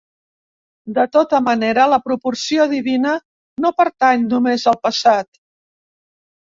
De tota manera la proporció divina no pertany només al passat.